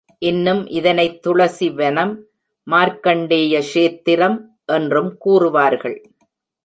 இன்னும் இதனைத் துளசி வனம், மார்க்கண்டேய க்ஷேத்திரம் என்றும் கூறுவார்கள்.